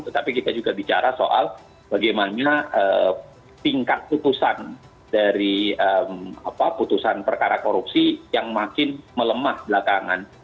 tetapi kita juga bicara soal bagaimana tingkat putusan dari putusan perkara korupsi yang makin melemah belakangan